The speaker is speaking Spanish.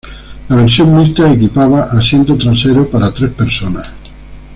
La versión mixta equipaba asiento trasero para tres personas.